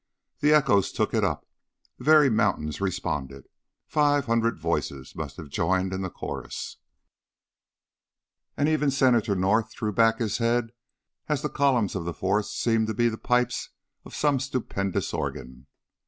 The echoes took it up, the very mountains responded. Five hundred voices must have joined in the chorus, and even Senator North threw back his head as the columns of the forest seemed to be the pipes of some stupendous organ.